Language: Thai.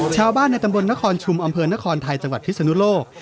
ชาวบ้านในตำบลนครชุมอำเภอนครไทยจังหวัดพิศนุโลก